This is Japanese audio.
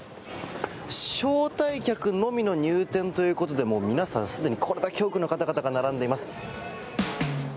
招待客のみの入店ということでもう皆さん、すでにこれだけ多くの方が並んでいます。